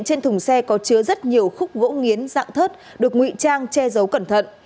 trên thùng xe có chứa rất nhiều khúc gỗ nghiến dạng thớt được ngụy trang che giấu cẩn thận